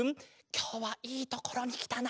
きょうはいいところにきたな。